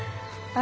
あ。